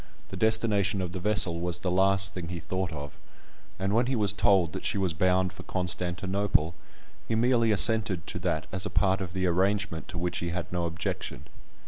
The destination of the vessel was the last thing he thought of; and when he was told that she was bound for Constantinople, he merely assented to that as a part of the arrangement to which he had no objection.